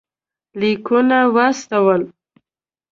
لیکونه واستول.